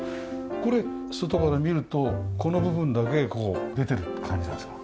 これ外から見るとこの部分だけ出てるって感じなんですか？